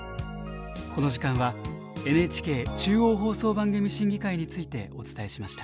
この時間はＮＨＫ中央放送番組審議会についてお伝えしました。